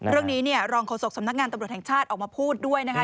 เรื่องนี้เนี่ยรองโฆษกสำนักงานตำรวจแห่งชาติออกมาพูดด้วยนะคะ